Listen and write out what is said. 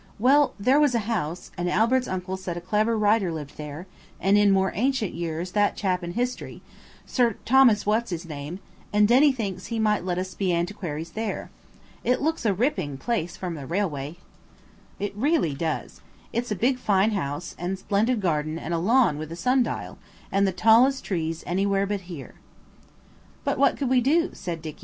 Well, there was a house, and Albert's uncle said a clever writer lived there, and in more ancient years that chap in history–Sir Thomas What's his name; and Denny thinks he might let us be antiquaries there. It looks a ripping place from the railway." It really does. It's a fine big house, and splendid garden and a lawn with a sundial, and the tallest trees anywhere about here. "But what could we do?" said Dicky.